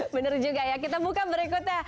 benar juga ya kita buka berikutnya